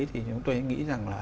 thì chúng tôi nghĩ rằng là